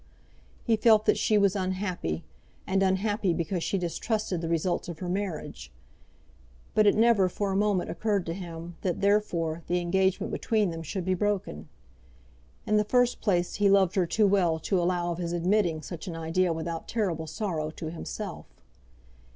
He felt that she was unhappy, and unhappy because she distrusted the results of her marriage; but it never for a moment occurred to him that, therefore, the engagement between them should be broken. In the first place he loved her too well to allow of his admitting such an idea without terrible sorrow to himself.